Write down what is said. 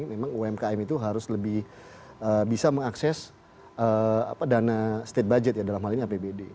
memang umkm itu harus lebih bisa mengakses dana state budget ya dalam hal ini apbd